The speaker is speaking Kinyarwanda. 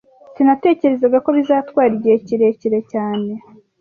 Sinatekerezaga ko bizatwara igihe kirekire cyane